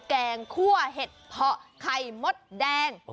แกงคั่วเห็ดเพาะไข่มดแดง